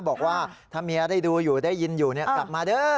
บอกว่าถ้าเมียได้ดูอยู่ได้ยินอยู่กลับมาเด้อ